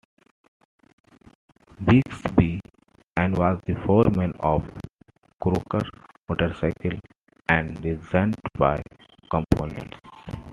Bigsby, and was the foreman of Crocker Motorcycles, and designed many components.